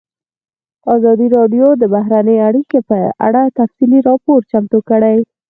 ازادي راډیو د بهرنۍ اړیکې په اړه تفصیلي راپور چمتو کړی.